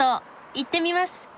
行ってみます。